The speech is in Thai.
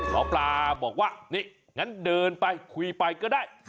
หมอปลาบอกว่านี่งั้นเดินไปคุยไปก็ได้